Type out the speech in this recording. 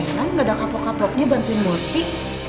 eh kan gak ada kapok kapoknya bantuin murti